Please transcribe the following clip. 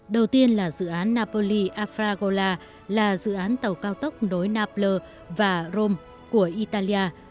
đầu tiên là dự án napoli afragola là dự án tàu cao tốc đối naple và rome của italia